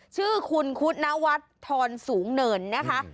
ชื่อคุณคุณวัฒน์ทรสูงเนินนะคะ